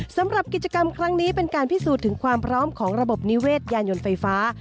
สำหรับกิจกรรมครั้งนี้เป็นการพิสูจน์ถึงความพร้อมของระบบนิเวศยานยนต์ไฟฟ้า